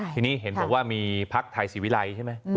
ทีนี้เห็นแบบว่ามีพักธัยสีวิรัย